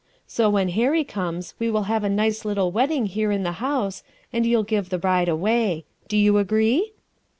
So when Harry comes we will have a nice little wedding here in this house, and you'll give the bride away. Do you agree?"